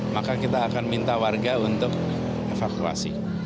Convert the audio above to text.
maka kita akan minta warga untuk evakuasi